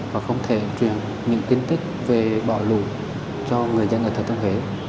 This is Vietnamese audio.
và không thể truyền những tin tích về bỏ lụi cho người dân ở thừa thiên huế